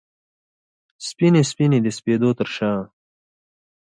سپینې، سپینې د سپېدو ترشا